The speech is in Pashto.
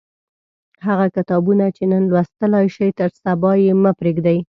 هغه کتابونه چې نن لوستلای شئ تر سبا یې مه پریږدئ.